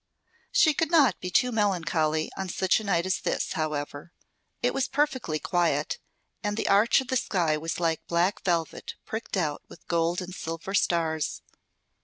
She could not be too melancholy on such a night as this, however. It was perfectly quiet, and the arch of the sky was like black velvet pricked out with gold and silver stars.